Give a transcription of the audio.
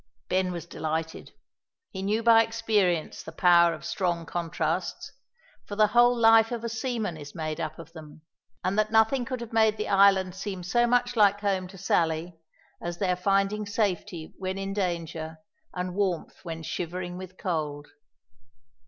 Ben was delighted. He knew by experience the power of strong contrasts, for the whole life of a seaman is made up of them, and that nothing could have made the island seem so much like home to Sally, as there finding safety when in danger, and warmth when shivering with cold.